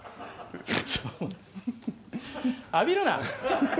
浴びるな。